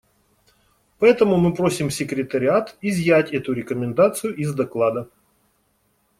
Поэтому мы просим Секретариат изъять эту рекомендацию из доклада.